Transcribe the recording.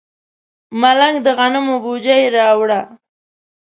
ملنګ د غنمو بوجۍ راوړه.